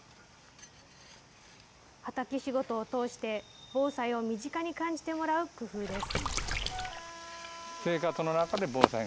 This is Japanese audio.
畑仕事を通して防災を身近に感じてもらう工夫です。